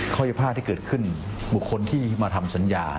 ข้อยภาพที่เกิดขึ้นบุคคลที่มาทำสัญญา